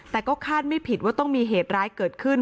แต่ก็คาดไม่ผิดว่าต้องมีเหตุร้ายเกิดขึ้น